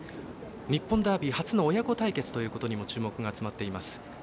日本ダービー初の親子対決というところにも注目が集まっています。